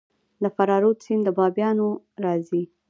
د فراه رود سیند له بامیان راځي